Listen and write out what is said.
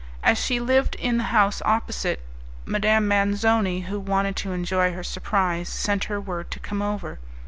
As she lived in the house opposite, Madame Manzoni, who wanted to enjoy her surprise, sent her word to come over.